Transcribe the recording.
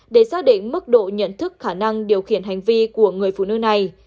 để xác định mức độ nhận thức khả năng điều khiển hành vi của người phụ nữ này